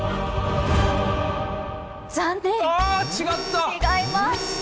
違います。